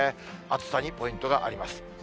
暑さにポイントがあります。